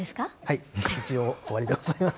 一応、終わりでございます。